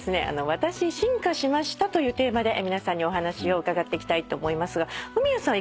「私進化しました」というテーマで皆さんにお話を伺っていきたいと思いますがフミヤさん